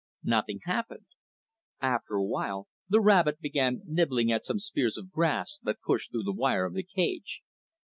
Nothing happened. After a while the rabbit began nibbling at some spears of grass that pushed through the wire of the cage.